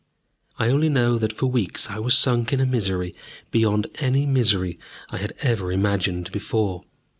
I only know that for weeks I was sunk in a misery beyond any misery I had ever imagined before.